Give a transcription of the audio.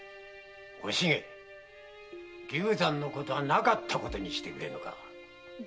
〔おしげ流産のことはなかったことにしてくれぬか〕〔